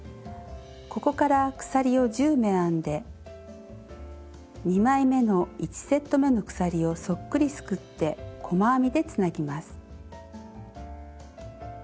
ここから鎖を１０目編んで２枚めの１セットめの鎖をそっくりすくって細編みでつなぎます。